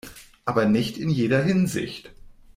Aber nicht in jeder Hinsicht.